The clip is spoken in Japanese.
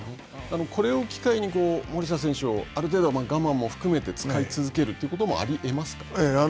これを機会に森下選手をある程度我慢も含めて使い続けるということもあり得ますか。